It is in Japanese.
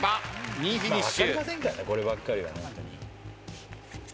２位フィニッシュ！